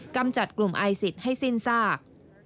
กำจัดกลุ่มไอซิสให้สิ้นซาก